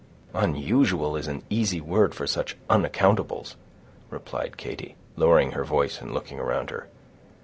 "Unusual is an easy word for such unaccountables!" replied Katy, lowering her voice and looking around her.